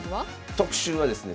特集はですね